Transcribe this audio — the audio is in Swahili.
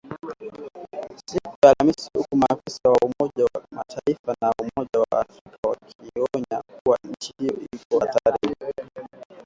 Siku ya AlhamisI huku maafisa wa Umoja wa Mataifa na Umoja wa Afrika wakionya kuwa nchi hiyo iko hatarini.